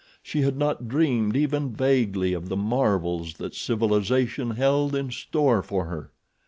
She had not dreamed even vaguely of the marvels that civilization held in store for her.